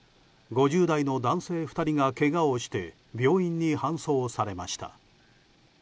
５０代の男性２人がけがをして病院に搬送されました。